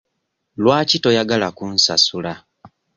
Lwaki toyagala kunsasula?